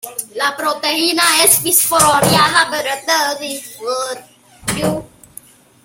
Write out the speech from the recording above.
La proteína es fosforilada.